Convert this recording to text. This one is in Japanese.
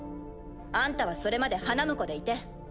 あんたはそれまで花婿でいて。